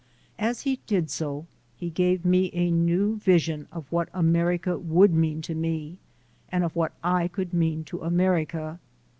As he did so, he gave me a new vision of what America would mean to me, and of what I could mean to America.